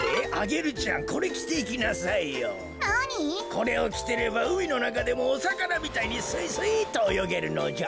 これをきてればうみのなかでもおさかなみたいにスイスイっとおよげるのじゃ。